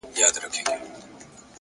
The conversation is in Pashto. پوهه د شک تیاره کمزورې کوي’